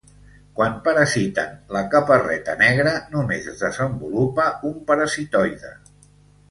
Quan parasiten la caparreta negra només es desenvolupa un parasitoide.